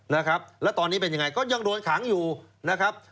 นะครับแล้วตอนนี้เป็นยังไงก็ยังโดนขังอยู่นะครับ